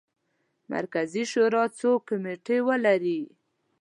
مرکزي شورا څو کمیټې ولري.